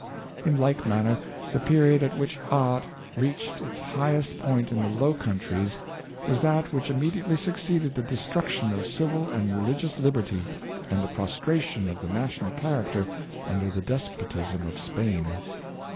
In like manner, the period at which art reached its highest point in the Low Countries was that 542 The HzQrJiesi Culture. ^^ which immediately succeeded the destruction of civil and religious liberty, and the prostration of the na tional character under the despotism of Spain.